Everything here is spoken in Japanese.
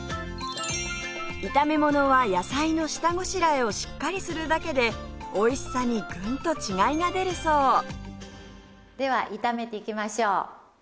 炒めものは野菜の下ごしらえをしっかりするだけでおいしさにグンと違いが出るそうでは炒めていきましょう。